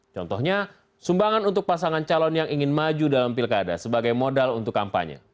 contohnya sumbangan untuk pasangan calon yang ingin maju dalam pilkada sebagai modal untuk kampanye